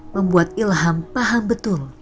membuat ilham paham betul